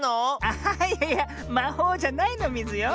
あいやいやまほうじゃないのミズよ。